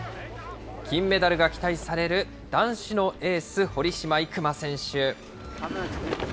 金メダルが期待される男子のエース、堀島行真選手。